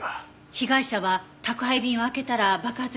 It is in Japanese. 被害者は宅配便を開けたら爆発したと言ってるけど。